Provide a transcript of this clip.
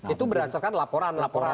itu berdasarkan laporan laporan